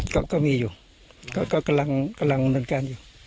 ก็ก็มีอยู่เขาก็กำลังกำลังบันการอยู่